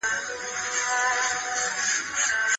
دولت یوازي غیرمستقیم ډول عرضه لوړولای سي.